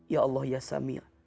ya allah ya sami'a